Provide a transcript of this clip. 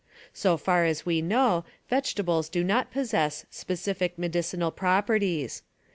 So far as we know, vegetables do not possess specific medicinal properties.